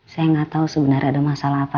saya gak tau sebenarnya ada masalah apa